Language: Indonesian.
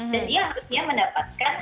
dan dia harusnya mendapatkan